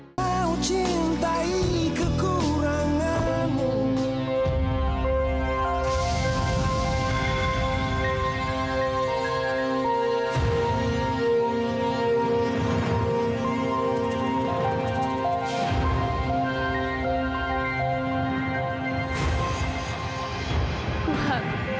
sampai jumpa di video selanjutnya